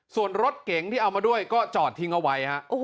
ส่วนรถเก๋งที่เอามาด้วยก็จอดทิ้งเอาไว้ฮะ